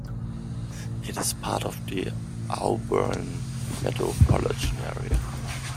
It is part of the Auburn Metropolitan Area.